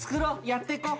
やってこう。